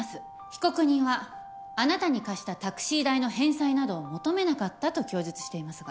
被告人はあなたに貸したタクシー代の返済などを求めなかったと供述していますが本当ですか？